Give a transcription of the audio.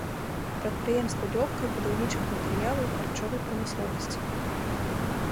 Прадпрыемствы лёгкай, будаўнічых матэрыялаў, харчовай прамысловасці.